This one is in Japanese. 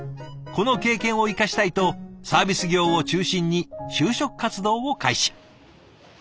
この経験を生かしたいとサービス業を中心に就職活動を開始。